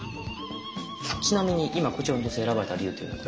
ちなみに今こちらの女性選ばれた理由というのは？